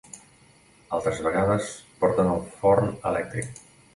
Altres vegades porten el forn elèctric.